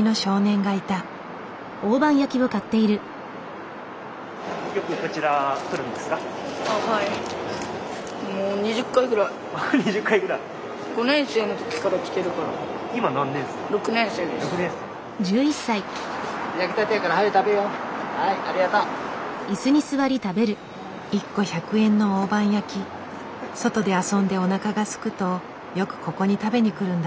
外で遊んでおなかがすくとよくここに食べに来るんだって。